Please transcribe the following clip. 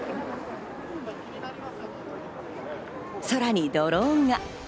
空にドローンが。